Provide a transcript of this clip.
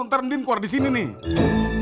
ntar ndin keluar disini nih